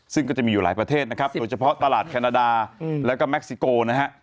ซึ่งก็จะมีอยู่หลายประเทศนะครับโดยเฉพาะตลาดแคนาดาแล้วก็แก๊กซิโกนะฮะ